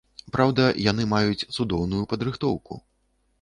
Праўда, яны маюць цудоўную падрыхтоўку.